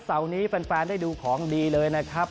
เสาร์นี้แฟนได้ดูของดีเลยนะครับ